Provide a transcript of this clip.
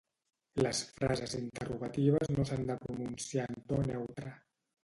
Les frases interrogatives no s'han de pronunciar en to neutre.